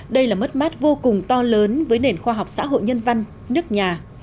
đây là mất mát vô cùng to lớn với nền khoa học xã hội nhân văn nước nhà